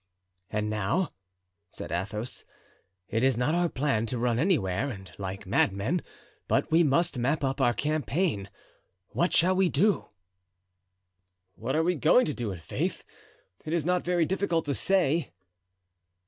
"And now," said Athos, "it is not our plan to run anywhere and like madmen, but we must map up our campaign. What shall we do?" "What are we going to do, i'faith? It is not very difficult to say."